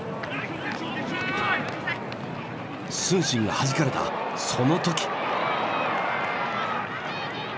承信がはじかれたその時！